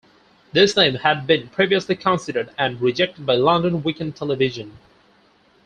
This name had been previously considered and rejected by London Weekend Television.